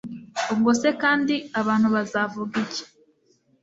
ubwose kandi abantu bazavuga iki